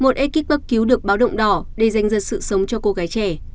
một ekip bác cứu được báo động đỏ để dành dật sự sống cho cô gái trẻ